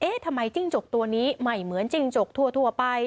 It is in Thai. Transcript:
ทำไมจิ้งจกตัวนี้ไม่เหมือนจิ้งจกทั่วไป